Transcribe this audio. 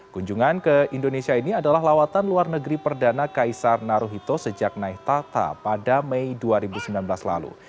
kunjungan ke indonesia ini adalah lawatan luar negeri perdana kaisar naruhito sejak naik tata pada mei dua ribu sembilan belas lalu